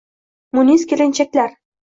Munis kelinchaklar